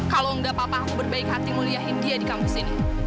kalau enggak papa aku berbaik hati nguliahin dia di kampus ini